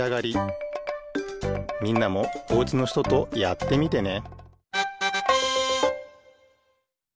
みんなもおうちのひととやってみてね